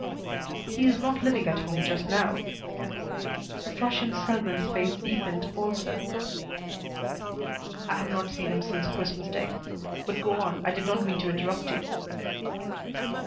"He is not living at home just now." The flush in Selwyn's face deepened also. "I have not seen him since Christmas day. But go on. I did not mean to interrupt you."